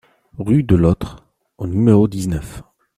Rue de l'Authre au numéro dix-neuf